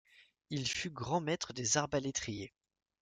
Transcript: Il fut grand maître des arbaletriers.